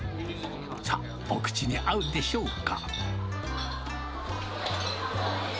さあ、お口に合うでしょうか。